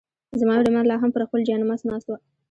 زما مېرمن لا هم پر خپل جاینماز ناست وه.